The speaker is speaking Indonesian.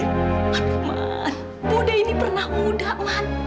aduh man budi ini pernah muda man